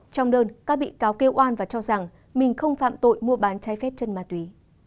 trong đơn các bị cáo kêu oan và cho rằng mình không phạm tội mua bán trái phép chân ma túy